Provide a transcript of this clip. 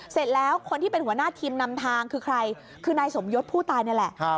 เสร็จแล้วคนที่เป็นหัวหน้าทีมนำทางคือใครคือนายสมยศผู้ตายนี่แหละ